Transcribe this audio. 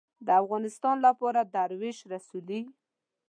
د افغانستان لپاره دروېش رسولې